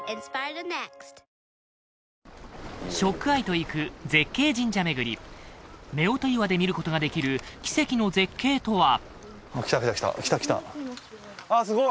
ＳＨＯＣＫＥＹＥと行く絶景神社巡り夫婦岩で見ることができる奇跡の絶景とは？